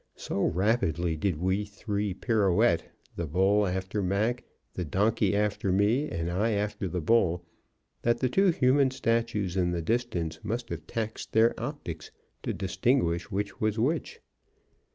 So rapidly did we three pirouette, the bull after Mac, the donkey after me, and I after the bull, that the two human statues in the distance must have taxed their optics to distinguish which was which.